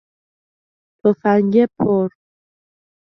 تفنگ پر